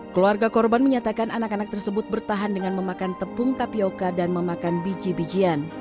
keluarga korban menyatakan anak anak tersebut bertahan dengan memakan tepung tapioca dan memakan biji bijian